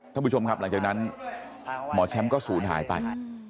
ท่านผู้ชมครับหลังจากนั้นหมอแชมป์ก็ศูนย์หายไป